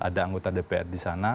ada anggota dpr di sana